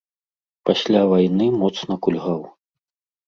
Пасля вайны моцна кульгаў.